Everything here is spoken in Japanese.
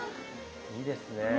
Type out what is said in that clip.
いいですね。